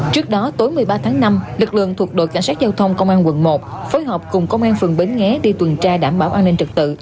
trước đó tối một mươi ba tháng năm lực lượng thuộc đội cảnh sát giao thông công an quận một phối hợp cùng công an phường bến nghé đi tuần tra đảm bảo an ninh trật tự